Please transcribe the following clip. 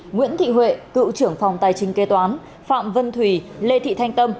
nguyễn thị huệ cựu trưởng phòng tài chính kế toán phạm vân thùy lê thị thanh tâm